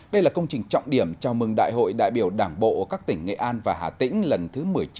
đây là công trình trọng điểm chào mừng đại hội đại biểu đảng bộ các tỉnh nghệ an và hà tĩnh lần thứ một mươi chín